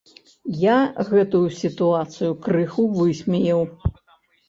Я гэтую сітуацыю крыху высмеяў.